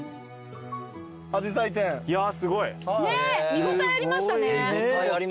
見応えありましたね。